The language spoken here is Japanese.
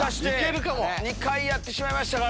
２回やってしまいましたから。